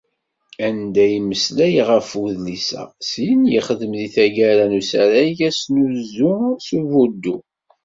Anda i d-yemmeslay ɣef udlis-a, syin yexdem di taggara n usarag asnuzu s ubuddu.